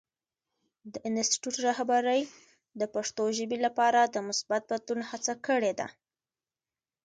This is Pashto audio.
د انسټیټوت رهبرۍ د پښتو ژبې لپاره د مثبت بدلون هڅه کړې ده.